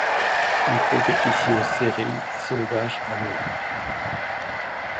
Une compétition serrée s'engage alors…